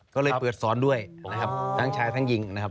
ก็เลยเปิดสอนด้วยนะครับทั้งชายทั้งยิงนะครับ